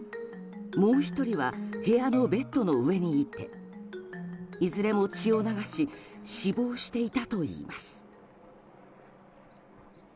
もう１人は部屋のベッドの上にいていずれも血を流し死亡していたといいます。